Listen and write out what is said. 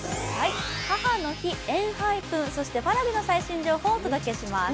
母の日、ＥＮＨＹＰＥＮ、Ｐａｒａｖｉの最新情報をお届けします。